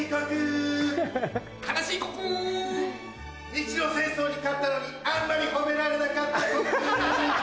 日露戦争に勝ったのにあんまり褒められなかった刻。